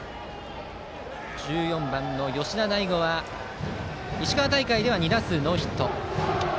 １４番の吉田大吾は石川大会では２打数ノーヒット。